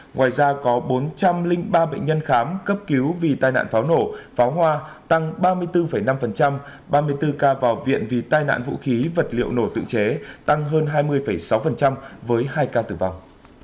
ngoài ra có bốn trăm linh ba bệnh nhân khám cấp cứu vì tai nạn pháo nổ pháo hoa tăng ba mươi bốn năm ba mươi bốn ca vào viện vì tai nạn vũ khí vật liệu nổ tự chế tăng hơn hai mươi sáu với hai ca tử vong